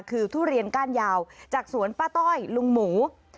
คือทุเรียนก้านยาวจากสวนป้าต้อยลุงหมู